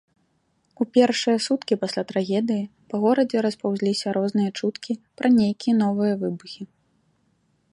У пешыя суткі пасля трагедыі па горадзе распаўзаліся розныя чуткі пра нейкія новыя выбухі.